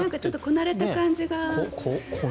こなれた感じが。